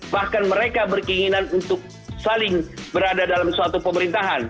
bahkan mereka berkeinginan untuk saling berada dalam suatu pemerintahan